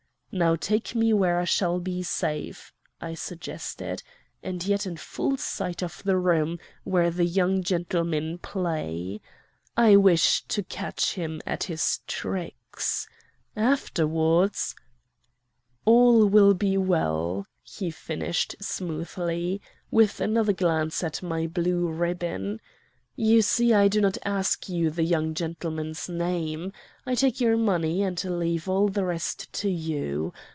'Now take me where I shall be safe,' I suggested, 'and yet in full sight of the room where the young gentlemen play. I wish to catch him at his tricks. Afterwards ' "'All will be well,' he finished smoothly, with another glance at my blue ribbon. 'You see I do not ask you the young gentleman's name. I take your money and leave all the rest to you.